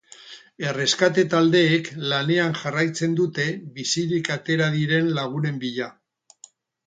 Erreskate-taldeek lanean jarraitzen dute bizirik atera diren lagunen bila.